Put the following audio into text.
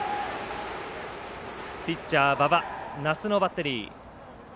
ピッチャー馬場奈須のバッテリー。